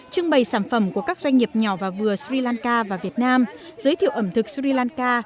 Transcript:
trưng bày sản phẩm của các doanh nghiệp nhỏ và vừa sri lanka và việt nam giới thiệu ẩm thực sri lanka